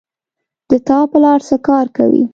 د تا پلار څه کار کوی